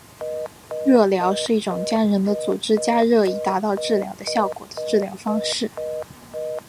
热疗是一种将人的组织加热以达到治疗的效果的治疗方式。